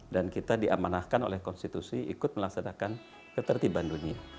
dan kita diamanahkan oleh konstitusi ikut melaksanakan ketertiban dunia